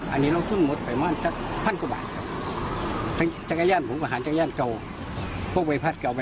อันนี้เราทุนหมดไปมาจาก๑๐๐๐กว่าบาทครับ